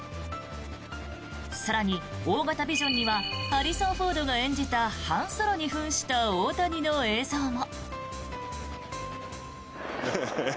更に、大型ビジョンにはハリソン・フォードが演じたハン・ソロに扮した大谷の映像も。